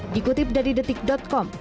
dikutip dari detik com